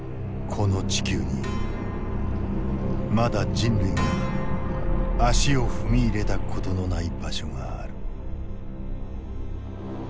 この地球にまだ人類が足を踏み入れたことのない場所がある。